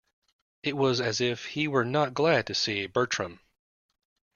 It was as if he were not glad to see Bertram.